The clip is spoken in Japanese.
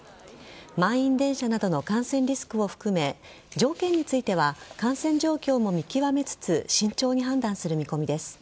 満員電車などの感染リスクを含め条件については感染状況も見極めつつ慎重に判断する見込みです。